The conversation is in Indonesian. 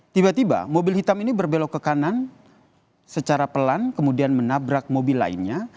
tiba tiba mobil hitam ini berbelok ke kanan secara pelan kemudian menabrak mobil lainnya